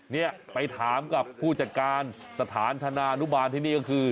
นี่ไปถามกับผู้จัดการสถานธนานุบาลที่นี่ก็คือ